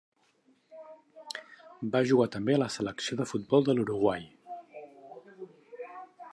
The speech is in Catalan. Va jugar també a la selecció de futbol de l'Uruguai.